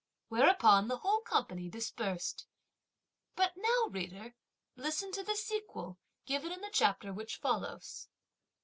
whereupon the whole company dispersed. But now, reader, listen to the sequel given in the chapter which follows.